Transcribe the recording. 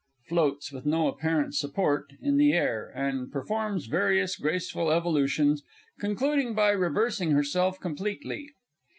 (_Floats, with no apparent support, in the air, and performs various graceful evolutions, concluding by reversing herself completely.